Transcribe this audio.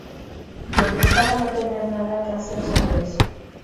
Detestaba no tener nada que hacer sobre eso.